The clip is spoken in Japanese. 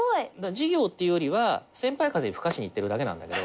授業っていうよりは先輩風吹かしに行ってるだけなんだけど。